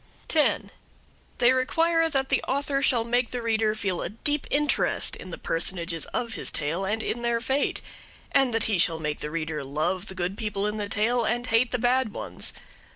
10. They require that the author shall make the reader feel a deep interest in the personages of his tale and in their fate; and that he shall make the reader love the good people in the tale and hate the bad ones.